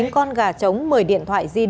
chín con gà trống một mươi điện thoại